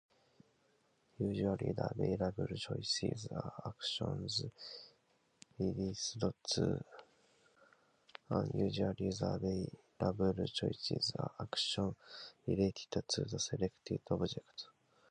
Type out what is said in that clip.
Usually the available choices are actions related to the selected object.